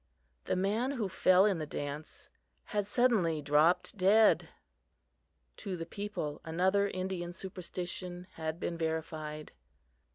the man who fell in the dance had suddenly dropped dead. To the people, another Indian superstition had been verified.